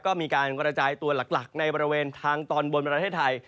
ก็มีการกระจายตัวหลักในบริเวณทางตอนบนประเทศไทย